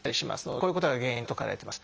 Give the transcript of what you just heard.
こういうことが原因だと考えられてます。